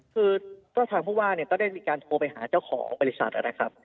คือก็ทางผู้ว่าเนี่ยก็ได้มีการโทรไปหาเจ้าของบริษัทนะครับ